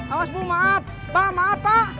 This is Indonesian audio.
awas bu maaf pak maaf pak